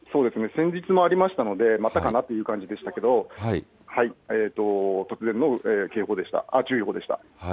先日もありましたので、まさかなという感じでしたけれども、突然の警報でした、あっ、注意報でした。